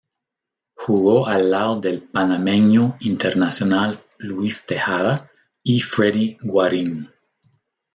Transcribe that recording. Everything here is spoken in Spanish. Jugó al lado del panameño internacional Luis Tejada y Freddy Guarín.